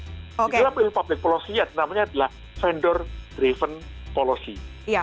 itu adalah public policy namanya adalah vendor driven policy